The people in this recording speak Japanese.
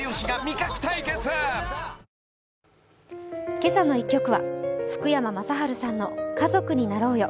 「けさの１曲」は福山雅治さんの「家族になろうよ」。